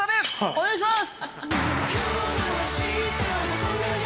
お願いします。